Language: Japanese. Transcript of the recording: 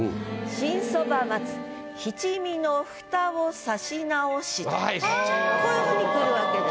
「新蕎麦待つ七味の蓋を差し直し」とこういうふうにくるわけです。